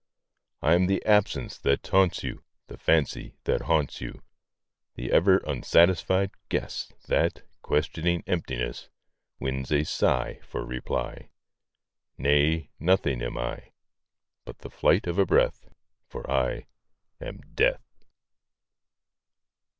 I am the absence that taunts you, The fancy that haunts you; The ever unsatisfied guess That, questioning emptiness, Wins a sigh for reply. Nay; nothing am I, But the flight of a breath For I am Death!